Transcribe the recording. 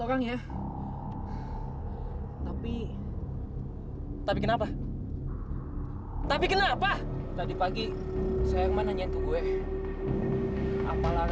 pokoknya gua lihat mobilnya arahnya ke sana rom